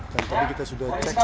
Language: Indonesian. dan tadi kita sudah cek